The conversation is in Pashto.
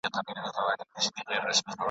هغه ګوتي په اور سوځي چي قلم یې چلولی .